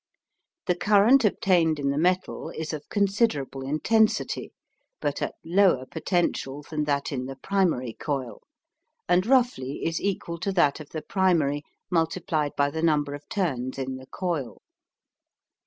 The current obtained in the metal is of considerable intensity, but at lower potential than that in the primary coil, and roughly is equal to that of the primary multiplied by the number of turns in the coil.